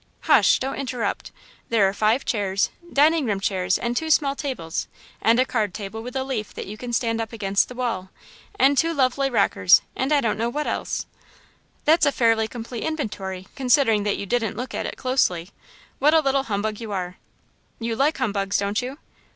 "Hush, don't interrupt. There are five chairs dining room chairs, and two small tables, and a card table with a leaf that you can stand up against the wall, and two lovely rockers, and I don't know what else." "That's a fairly complete inventory, considering that you 'didn't look at it closely.' What a little humbug you are!" "You like humbugs, don't you?"